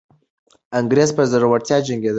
انګریزان په زړورتیا جنګېدلي دي.